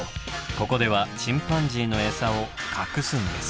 ここではチンパンジーのエサを隠すんです。